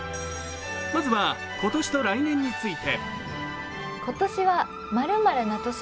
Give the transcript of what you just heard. まずは、今年と来年について。